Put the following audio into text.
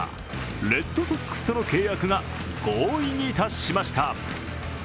レッドソックスとの契約が合意に達しました。